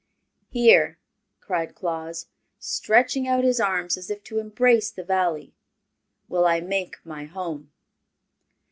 "Here," cried Claus, stretching out his arms as if to embrace the Valley, "will I make my home!"